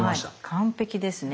完璧ですね。